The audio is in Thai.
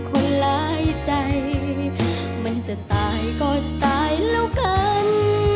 คนร้ายใจมันจะตายก็ตายแล้วกัน